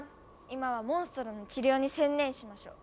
今はモンストロの治療に専念しましょう。